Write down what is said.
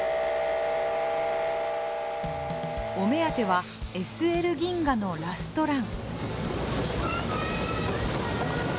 お目当てはＳＬ銀河のラストラン。